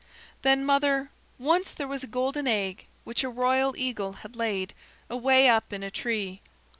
"Then, mother, once there was a golden egg which a royal eagle had laid, away up in a tree.